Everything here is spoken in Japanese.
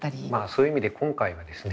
そういう意味で今回はですね